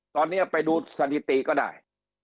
ตอนนี้ไปดูสถิติก็ได้